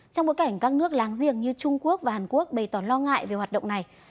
trong bối cảnh các nước láng giềng như trung quốc và hàn quốc bày tỏ lo ngại về hoạt động này